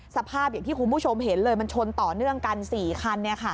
สภาพอย่างที่คุณผู้ชมเห็นเลยมันชนต่อเนื่องกัน๔คัน